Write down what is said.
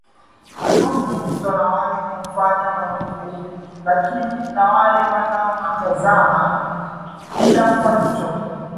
Ulimwengu umeumizwa na wale wanaofanya maovu lakini na wale wanaowatazama bila kufanya chochote